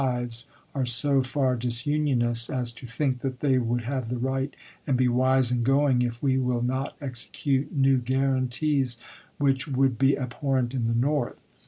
Rives are so far disunionists as to think that they would have the right and be wise in going if we will not execute new guaranties which would be abhorrent in the North.